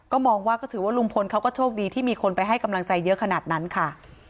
มองว่าก็ถือว่าลุงพลเขาก็โชคดีที่มีคนไปให้กำลังใจเยอะขนาดนั้นค่ะ